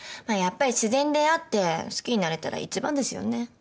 まあやっぱり自然に出会って好きになれたら一番ですよね。